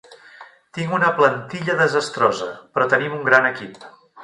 Tinc una plantilla desastrosa, però tenim un gran equip.